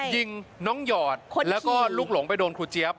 ยิงน้องหยอดแล้วก็ลูกหลงไปโดนครูเจี๊ยบ